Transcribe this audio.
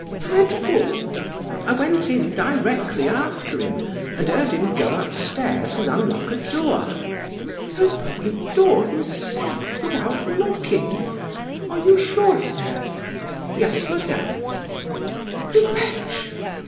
Dreadful!" "I went in directly after him, and heard him go up stairs and unlock a door." "Open the door himself, without knocking! Are you sure of that?" "Yes, madame." "The wretch!